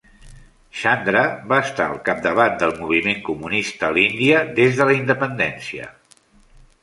Chandra va estar al capdavant del moviment comunista a l'Índia des de la independència.